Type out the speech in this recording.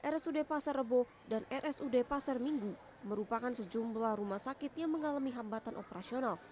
rsud pasar rebo dan rsud pasar minggu merupakan sejumlah rumah sakit yang mengalami hambatan operasional